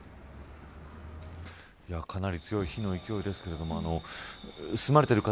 かなり強い火の勢いですけれども住まれている